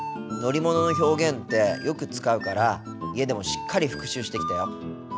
乗り物の表現ってよく使うから家でもしっかり復習してきたよ。